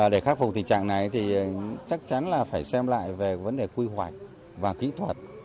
để khắc phục tình trạng này thì chắc chắn là phải xem lại về vấn đề quy hoạch và kỹ thuật